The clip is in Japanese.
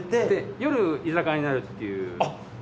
夜居酒屋になるっていう。